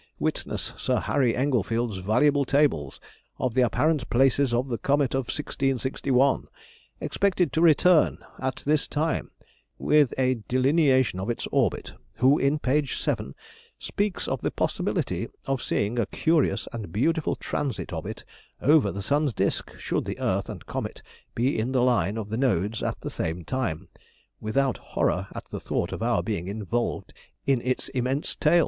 Witness Sir Harry Englefield's valuable tables of the apparent places of the Comet of 1661, expected to return at this time, with a delineation of its orbit, who, in page 7, speaks of the possibility of seeing a curious and beautiful transit of it over the sun's disk, should the earth and comet be in the line of the nodes at the same time, without horror at the thought of our being involved in its immense tail.